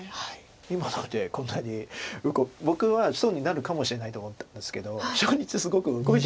今のでこんなに僕は損になるかもしれないと思ってますけど勝率すごく動いてるんですもう。